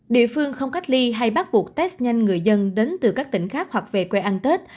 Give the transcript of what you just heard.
địa phương không cách ly hay bắt buộc test nhanh người dân đến từ các tỉnh khác hoặc về quê ăn tết